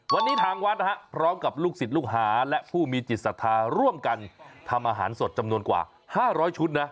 วันนี้ทางวัดนะฮะพร้อมกับลูกศิษย์ลูกหาและผู้มีจิตศรัทธาร่วมกันทำอาหารสดจำนวนกว่า๕๐๐ชุดนะ